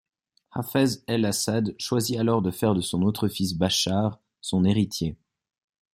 Hafez el-Assad choisit alors de faire de son autre fils, Bachar, son héritier.